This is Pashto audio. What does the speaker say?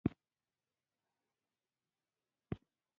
بيا چې کوټې ته راتلم شل زره کلدارې يې د جېب خرڅ لپاره راکړې.